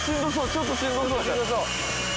ちょっとしんどそうや。